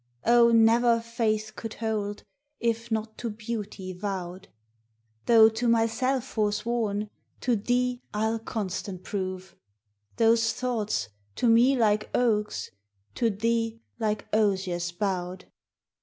O never faith could hold, if not to beauty vow'd: Though to myself forsworn, to thee I'll constant prove; Those thoughts, to me like oaks, to thee like osiers bow'd.